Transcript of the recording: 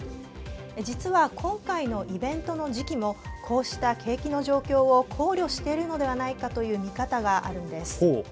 実は、今回のイベントの時期もこうした景気の状況を考慮しているのではないかという見方があるんです。